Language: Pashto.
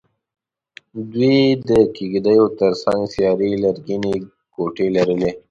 دوی د کېږدیو تر څنګ سیارې لرګینې کوټې لرلې.